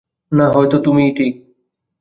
না, হয়ত তুমিই ঠিক।